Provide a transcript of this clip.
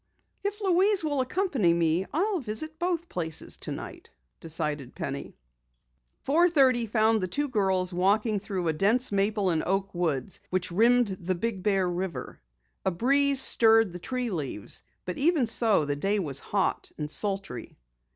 "If Louise will accompany me, I'll visit both places tonight," decided Penny. Four thirty found the two girls walking through a dense maple and oak woods which rimmed the Big Bear River. A breeze stirred the tree leaves, but even so the day was hot and sultry.